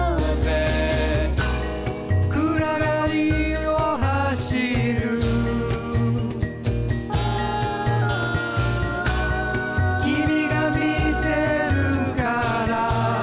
「暗がりを走る」「君が見てるから」